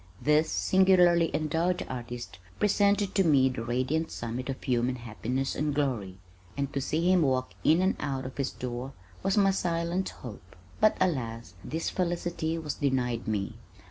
This singularly endowed artist presented to me the radiant summit of human happiness and glory, and to see him walk in or out of his door was my silent hope, but alas, this felicity was denied me!